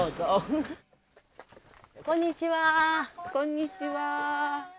こんにちは。